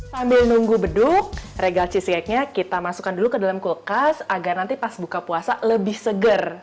sambil nunggu beduk regal cheesecake nya kita masukkan dulu ke dalam kulkas agar nanti pas buka puasa lebih seger